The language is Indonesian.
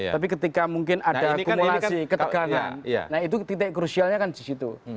tapi ketika mungkin ada akumulasi ketegangan nah itu titik krusialnya kan di situ